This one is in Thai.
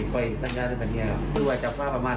ก็ไม่แบบว่าตั้งแต่ว่าเธอทำอะไรครับ